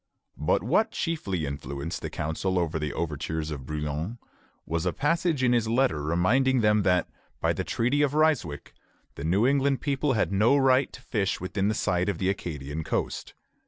But what chiefly influenced the council against the overtures of Brouillan was a passage in his letter reminding them that, by the Treaty of Ryswick, the New England people had no right to fish within sight of the Acadian coast.